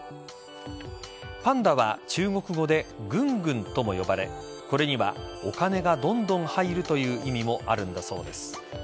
パンダは中国語でグングンとも呼ばれこれにはお金がどんどん入るという意味もあるんだそうです。